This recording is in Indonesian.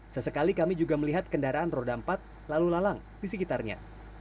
sesekali kami juga melihat kendaraan roda empat lalu lalang di sekitarnya